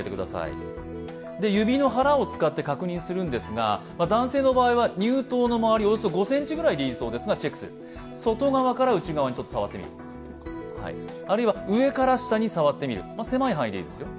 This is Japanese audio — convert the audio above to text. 指の腹を使って確認をするんですが乳頭のまわり、およそ５ｃｍほどでいいですがチェックする、外側から内側に触ってみる上から下に触ってみる、狭い範囲でいいですよ。